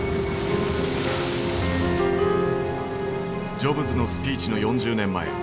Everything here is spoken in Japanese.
ジョブズのスピーチの４０年前。